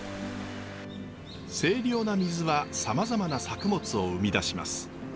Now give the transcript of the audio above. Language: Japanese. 清涼な水はさまざまな作物を生み出します。